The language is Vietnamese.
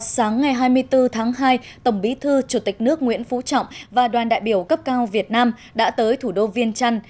sáng ngày hai mươi bốn tháng hai tổng bí thư chủ tịch nước nguyễn phú trọng và đoàn đại biểu cấp cao việt nam đã tới thủ đô viên trăn